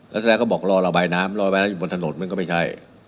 แล้วแสดงเขาบอกรอระบายน้ำรอระบายน้ำอยู่บนถนนมันก็ไม่ใช่